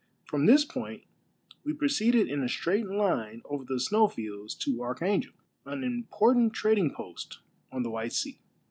From this point we proceeded in a straight line over the snow fields to Arehangel, an important trading post on the White Sea.